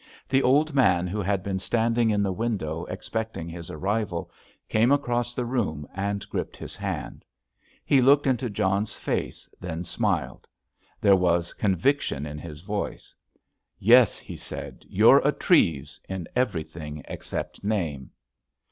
The old man, who had been standing in the window expecting his arrival, came across the room and gripped his hand. He looked into John's face, then smiled. There was conviction in his voice. "Yes," he said. "You're a Treves in everything except name."